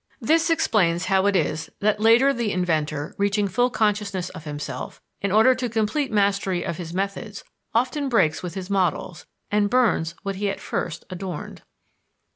This explains how it is that later the inventor, reaching full consciousness of himself, in order to complete mastery of his methods, often breaks with his models, and burns what he at first adorned.